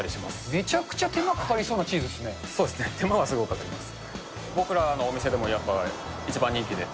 めちゃくちゃ手間かかりそうそうですね、手間はすごくかかります。